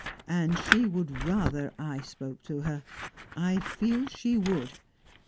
"And she would rather I spoke to her I feel she would!